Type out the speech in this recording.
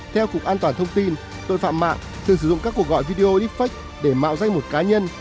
theo cục an toàn thông tin tội phạm mạng thường sử dụng các cuộc gọi video deepfake để mạo danh một cá nhân